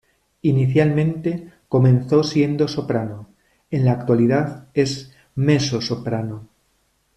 Inicialmente comenzó siendo soprano, en la actualidad es mezzosoprano.